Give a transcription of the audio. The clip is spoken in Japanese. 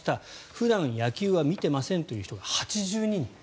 普段野球は見てませんというのが８２人。